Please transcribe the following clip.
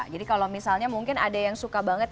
jadi kalau misalnya mungkin ada yang suka banget